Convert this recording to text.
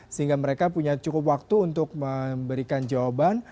sehingga mereka punya cukup waktu untuk memberikan jawaban